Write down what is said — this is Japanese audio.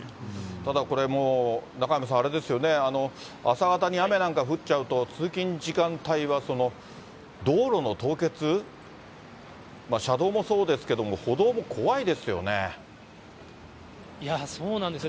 ただこれ、もう、中山さん、あれですよね、朝方に雨なんか降っちゃうと、通勤時間帯は道路の凍結、車道もそうですけれども、歩道も怖いですよね。